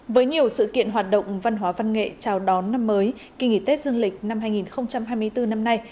với nhiều sự kiện hoạt động văn hóa văn nghệ chào đón năm mới kỳ nghỉ tết dương lịch năm hai nghìn hai mươi bốn năm nay